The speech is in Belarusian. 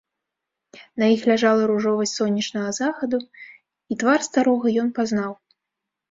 На іх ляжала ружовасць сонечнага захаду, і твар старога ён пазнаў.